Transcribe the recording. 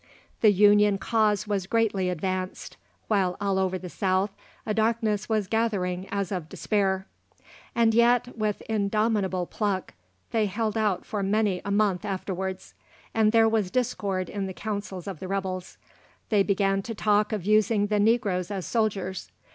The Union cause was greatly advanced, while over all the South a darkness was gathering as of despair. And yet, with indomitable pluck, they held out for many a month afterwards. And "there was discord in the councils of the rebels. They began to talk of using the negroes as soldiers.